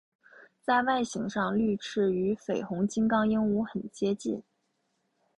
在外形上绿翅与绯红金刚鹦鹉很接近。